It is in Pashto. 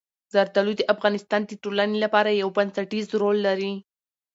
زردالو د افغانستان د ټولنې لپاره یو بنسټيز رول لري.